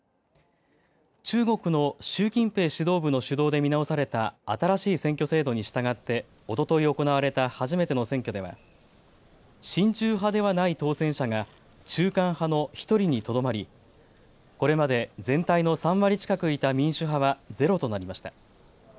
中国の習近平指導部の主導で見直された新しい選挙制度に従っておととい行われた初めての選挙では親中派ではない当選者が中間派の１人にとどまりこれまで全体の３割近くいた民主派はゼロとなりました。